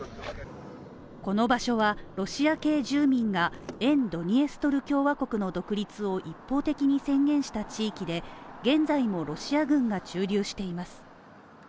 この場所は、ロシア系住民が沿ドニエストル共和国の独立を一方的に宣言した地域で現在もロシア軍が駐留しています。